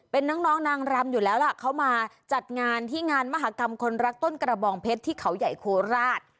เป็นน้องนางรำอยู่แล้วล่ะเขามาจัดงานที่งานมหากรรมคนรักต้นกระบองเพชรที่เขาใหญ่โคราช